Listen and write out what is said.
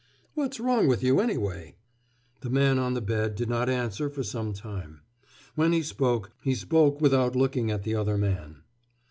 "What's wrong with you, anyway?" The man on the bed did not answer for some time. When he spoke, he spoke without looking at the other man.